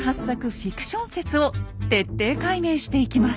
フィクション説を徹底解明していきます。